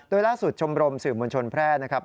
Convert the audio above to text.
โดยล่าสุดชมรมสื่อมวลชนแพร่นะครับ